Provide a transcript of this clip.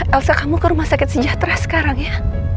elsa kamu ke rumah sakit sejahtera sekarang ya